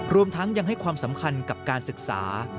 รวมทั้งยังให้ความสำคัญกับการศึกษา